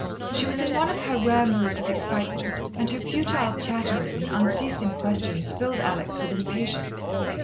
She was in one of her rare moods of excitement, and her futile chattering and unceasing questions filled Alex with impatience.